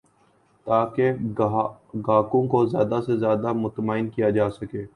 تاکہ گاہکوں کو زیادہ سے زیادہ مطمئن کیا جا سکے